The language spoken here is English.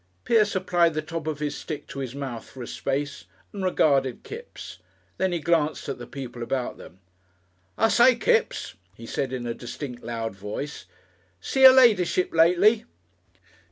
Pierce applied the top of his stick to his mouth for a space and regarded Kipps. Then he glanced at the people about them. "I say, Kipps," he said in a distinct, loud voice, "see 'er Ladyship lately?"